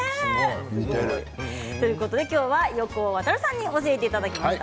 今日は横尾渉さんに教えていただきました。